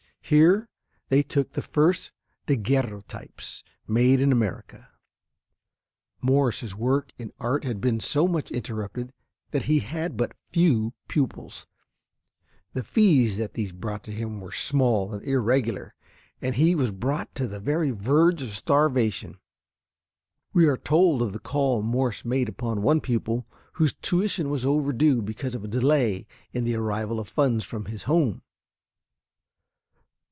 Here they took the first daguerreotypes made in America. Morse's work in art had been so much interrupted that he had but few pupils. The fees that these brought to him were small and irregular, and he was brought to the very verge of starvation. We are told of the call Morse made upon one pupil whose tuition was overdue because of a delay in the arrival of funds from his home.